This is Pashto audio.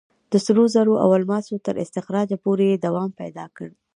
د سرو زرو او الماسو تر استخراجه پورې یې دوام پیدا کړ.